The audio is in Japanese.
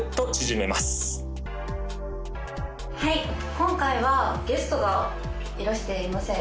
今回はゲストがいらしていませんね